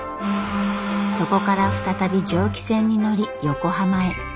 そこから再び蒸気船に乗り横浜へ。